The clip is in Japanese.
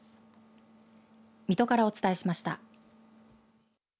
水戸からお伝えしました。